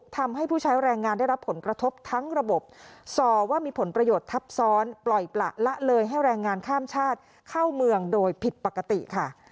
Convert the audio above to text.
ทำให้ผู้ใช้แรงงานได้รับผลกระทบทั้งระบบส่อว่ามีผลประโยชน์ทับซ้อนปล่อยประละเลยให้แรงงานข้ามชาติเข้าเมืองโดยผิดปกติค่ะ